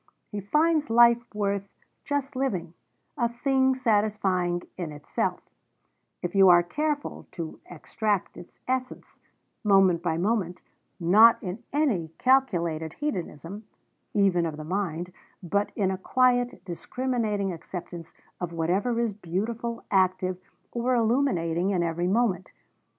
He finds life worth just living, a thing satisfying in itself, if you are careful to extract its essence, moment by moment, not in any calculated 'hedonism,' even of the mind, but in a quiet, discriminating acceptance of whatever is beautiful, active, or illuminating in every moment.